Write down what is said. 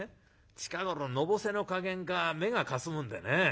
近頃のぼせの加減か目がかすむんでね